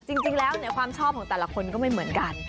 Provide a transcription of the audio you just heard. จริงแล้วความชอบของแต่ละคนก็ไม่เหมือนกัน